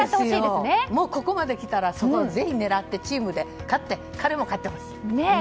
ここまできたらそこをぜひ狙ってチームで勝って彼も勝ってほしい。